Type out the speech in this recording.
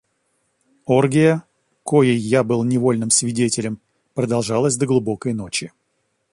Оргия, коей я был невольным свидетелем, продолжалась до глубокой ночи.